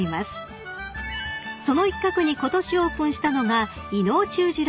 ［その一角にことしオープンしたのが］